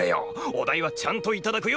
お代はちゃんといただくよ。